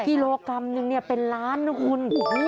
กิโลกรัมนึงเป็นล้านนะคุณ